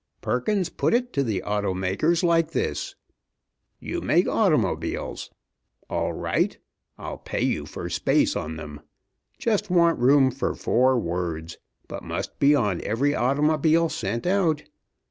Perkins put it to the auto makers like this: 'You make automobiles. All right. I'll pay you for space on them. Just want room for four words, but must be on every automobile sent out.